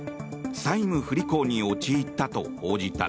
債務不履行に陥ったと報じた。